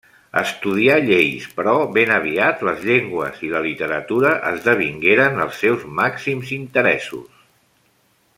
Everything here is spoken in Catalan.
Estudià lleis, però ben aviat les llengües i la literatura esdevingueren els seus màxims interessos.